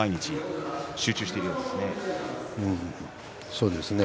そうですね。